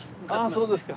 そうですか。